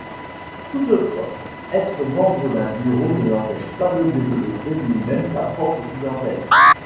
Toutefois, être membre d’un bureau ne l'empêche pas de développer lui-même sa propre clientèle.